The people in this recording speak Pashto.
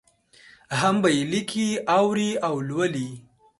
هم به یې لیکي، اوري او لولي.